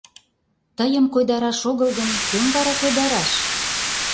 Тыйым койдараш огыл гын, кӧм вара койдараш?